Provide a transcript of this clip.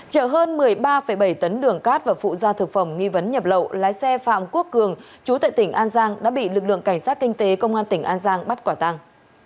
chở hơn một mươi ba bảy tấn đường cát và phụ gia thực phẩm nghi vấn nhập lậu lái xe phạm quốc cường chú tại tỉnh an giang đã bị lực lượng cảnh sát kinh tế công an tỉnh an giang bắt quả tăng